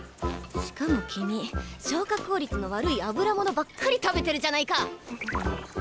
しかも君消化効率の悪い油物ばっかり食べてるじゃないか！